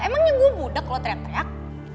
emangnya gue budak lo teriak teriak